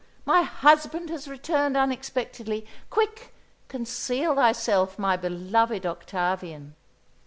My husband has returned unexpectedly! Quick, conceal thyself, my beloved Octavian!"